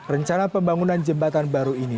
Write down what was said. rencana pembangunan jembatan baru ini